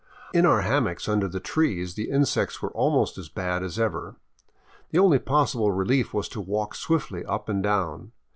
In our hammocks under the trees the insects were almost as bad as ever. The only possible relief was to walk swiftly up and down.